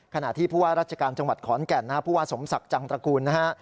ขณะที่รัชการจังหวัดขอลแก่นพูดว่าสมศักดิ์จังตระกูลนะฮะ